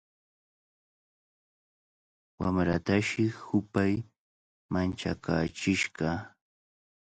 Wamratashi hupay manchakaachishqa.